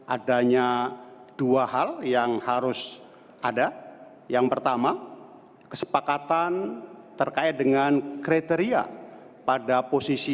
adanya dua hal yang harus ada yang pertama kesepakatan terkait dengan kriteria pada posisi